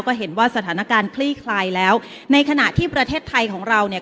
ก็เห็นว่าสถานการณ์คลี่คลายแล้วในขณะที่ประเทศไทยของเราเนี่ย